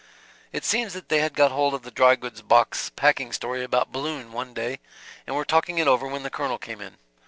It seems that they had got hold of the dry goods box packing story about Balloon, one day, and were talking it over when the Colonel came in.